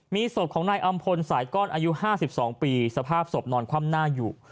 มีศพของนายอำพลสายก้อนอายุ๕๒ปีสภาพศพนอนคว่ำหน้าอยู่